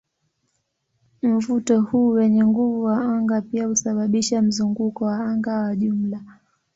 Mvuto huu wenye nguvu wa anga pia husababisha mzunguko wa anga wa jumla.